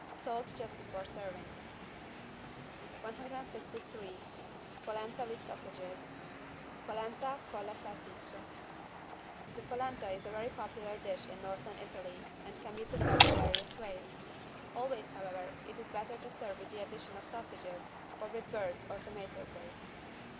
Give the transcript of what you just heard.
Salt just before serving. 163 POLENTA WITH SAUSAGES (Polenta colle salsicce) The polenta is a very popular dish in Northern Italy and can be prepared in various ways. Always, however, it is better to serve with the addition of sausages, or with birds or tomato paste.